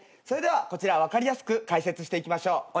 それではこちら分かりやすく解説していきましょう。